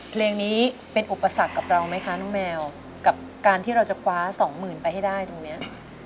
เพลงนี้เป็นอุปสรรคกับเราไหมคะน้องแมวกับการที่เราจะคว้าสองหมื่นไปให้ได้ตรงนี้